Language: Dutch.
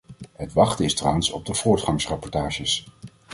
Het wachten is trouwens op de voortgangsrapportages.